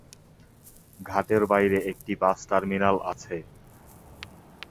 ঘাটের বাইরে একটি বাস টার্মিনাস আছে।